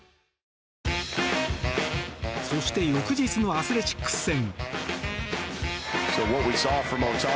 そして、翌日のアスレチック戦。